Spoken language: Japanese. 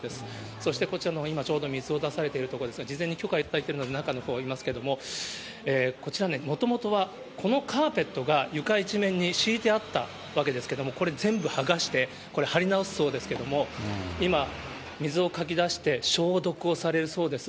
そしてこちらの今、ちょうど水を出されているところですが、事前に許可いただいているので、中のほう行きますけど、こちらね、もともとはこのカーペットが床一面に敷いてあったわけですけれども、これ、全部剥がして、これ張り直すそうですけど、今、水をかき出して消毒をされるそうです。